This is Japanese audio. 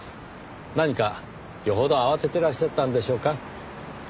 何か余程慌ててらっしゃったんでしょうか。